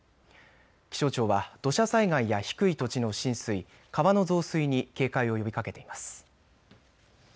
気象庁は土砂災害や低い土地の浸水、川の増水に警戒を呼びかけています。